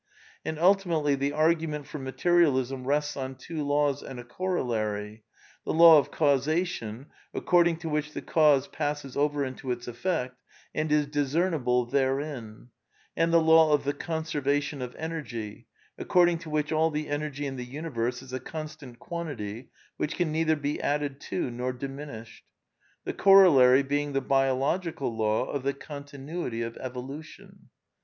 And ultimatd ^e arpunenf for matmali Hm re.U /V^. o iJLtwo laws and a corollary : the law of causation, according towhict the cause passes over into its effect, and is dis cernible therein ; and the law of the conservation of energy, according to which all the energy in the universe is a con stant quantity which can neither be added to nor dimin ished ;^^ the corollary being the biological law of the conr tinuity of evolution.